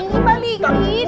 bentar bentar bentar